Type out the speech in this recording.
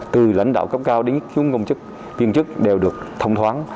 từ lãnh đạo cấp cao đến xuống công chức viên chức đều được thông thoáng